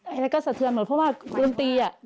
อะไรก็สะเทือนหมดเพราะว่าดนตรีอ่ะ